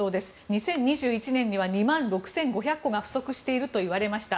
２０２１年には２万６５００戸が不足しているといわれました。